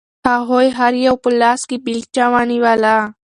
هغوی هر یو په لاس کې بیلچه ونیوله.